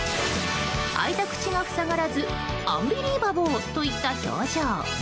開いた口が塞がらずアンビリーバボーといった表情。